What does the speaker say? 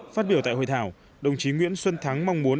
phát biểu tại hội thảo đồng chí nguyễn xuân thắng mong muốn